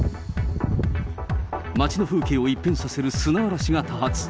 街の風景を一変させる砂嵐が多発。